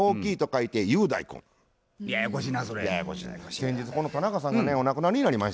先日この田中さんがお亡くなりになりましてね。